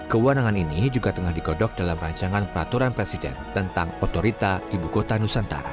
kewenangan ini juga tengah digodok dalam rancangan peraturan presiden tentang otorita ibu kota nusantara